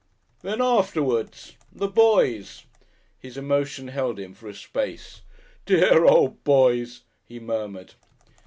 "Then afterwards the Boys!" His emotion held him for a space. "Dear old Boys!" he murmured.